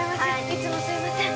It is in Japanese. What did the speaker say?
いつもすいません。